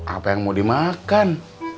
apa yang mau dimakan